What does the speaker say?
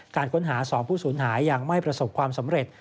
การค้นหา๒ผู้สูญหายยังไม่ประสบความสำเร็จ